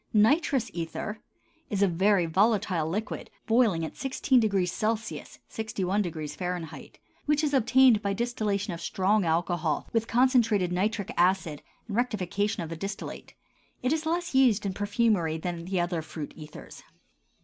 NITROUS ETHER is a very volatile liquid boiling at 16° C. (61° F.), which is obtained by distillation of strong alcohol with concentrated nitric acid and rectification of the distillate; it is less used in perfumery than the other fruit ethers.